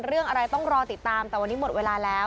เรื่องอะไรต้องรอติดตามแต่วันนี้หมดเวลาแล้ว